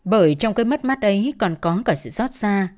bởi trong cái mất mắt ấy còn có cả sự xót xa